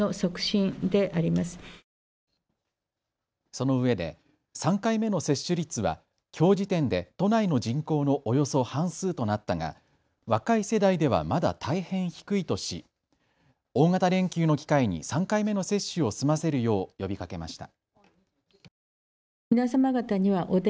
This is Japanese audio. そのうえで３回目の接種率はきょう時点で都内の人口のおよそ半数となったが若い世代ではまだ大変低いとし大型連休の機会に３回目の接種を済ませるよう呼びかけました。